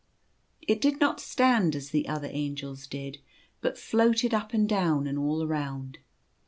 It did not stand as the other Angels did, but floated up and down and all around.